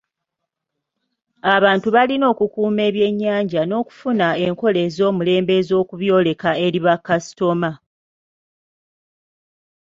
Abantu balina okukuuma ebyennyanja n'okufuna enkola ez'omulembe ez'okubyoleka eri bakasitoma.